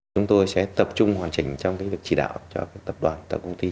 chúng tôi sẽ tập trung hoàn chỉnh trong cái việc chỉ đạo cho tập đoàn tổng công ty